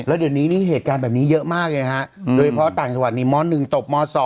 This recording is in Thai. แล้วเดี๋ยวนี้นี่เหตุการณ์แบบนี้เยอะมากเลยฮะโดยเฉพาะต่างจังหวัดนี้ม๑ตบม๒